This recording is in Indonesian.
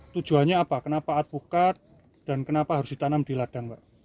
tujuannya apa kenapa advokat dan kenapa harus ditanam di ladang pak